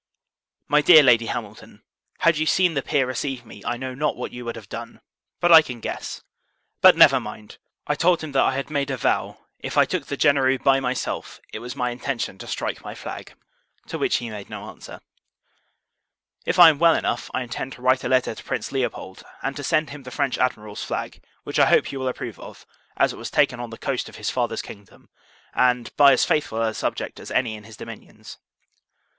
MY DEAR LADY HAMILTON, Had you seen the Peer receive me, I know not what you would have done; but, I can guess. But never mind! I told him, that I had made a vow, if I took the Genereux by myself, it was my intention to strike my flag. To which he made no answer. If I am well enough, I intend to write a letter to Prince Leopold, and to send him the French Admiral's flag; which I hope you will approve of, as it was taken on the coast of his father's kingdom, and by as faithful a subject as any in his dominions.